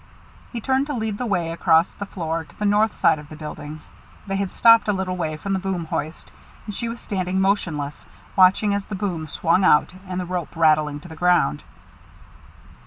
He turned to lead the way across the floor to the north side of the building. They had stopped a little way from the boom hoist, and she was standing motionless, watching as the boom swung out and the rope rattled to the ground.